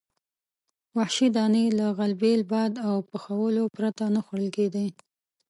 وحشي دانې له غلبیل، باد او پخولو پرته نه خوړل کېدې.